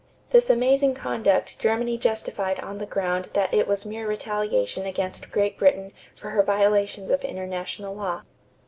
This amazing conduct Germany justified on the ground that it was mere retaliation against Great Britain for her violations of international law.